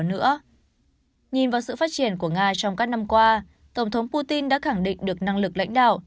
nhìn vào sự phát triển của nga trong các năm qua tổng thống putin đã khẳng định được năng lực lãnh đạo